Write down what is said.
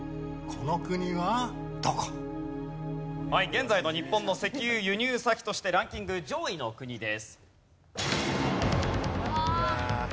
現在の日本の石油輸入先としてランキング上位の国です。